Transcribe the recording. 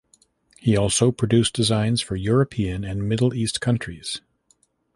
He also produced designs for European and Middle East countries.